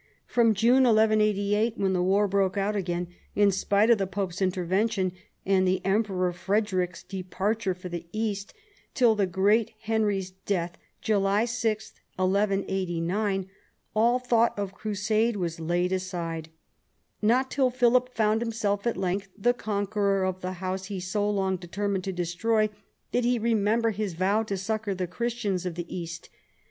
From June 1188, when the war broke out again — in spite of the pope's intervention, and the Emperor Frederic's departure for the East, — till the great King Henry's death, July 6, 1189, all thought of crusade was laid aside. Not till Philip found himself at length the conqueror of the house he had so long determined to destroy did he remember his vow to succour the Christians of the East.